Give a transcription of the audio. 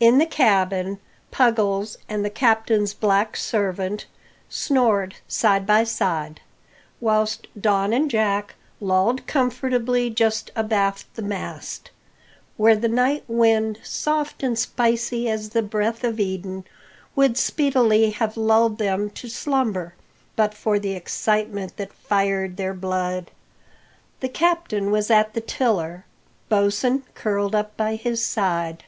In the cabin Puggles and the captain's Black servant snored side by side; whilst Don and Jack lolled comfortably just abaft the mast , where the night wind, soft and spicy as the breath of Eden, would speedily have lulled them to slumber but for the excitement that fired their blood. The Captain was at the tiller, Bosin curled up by his side.